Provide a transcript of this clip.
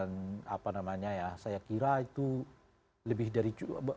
nah saya kira itu lebih dari